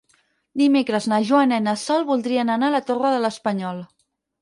Dimecres na Joana i na Sol voldrien anar a la Torre de l'Espanyol.